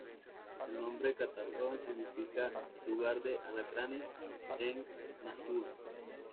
El nombre Colotlán significa "lugar de alacranes" en Náhuatl.